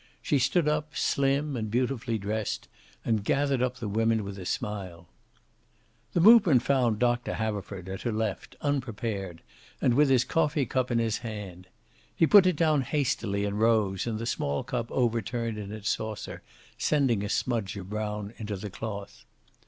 She stood up, slim and beautifully dressed, and gathered up the women with a smile. The movement found Doctor Haverford, at her left, unprepared and with his coffee cup in his hand. He put it down hastily and rose, and the small cup overturned in its saucer, sending a smudge of brown into the cloth.